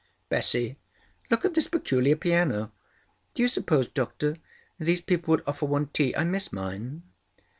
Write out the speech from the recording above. Bessie! Look at this peculiar piano! Do you suppose, Doctor, these people would offer one tea? I miss mine."